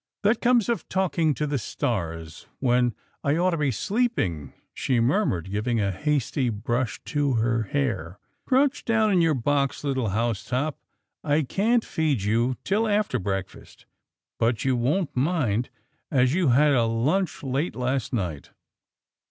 " That comes of talking to the stars when I ought to be sleeping," she murmured, giving a hasty brush to her hair. " Crouch down in your box little Housetop, I can't feed you till after breakfast, but you won't mind, as you had a lunch late last night."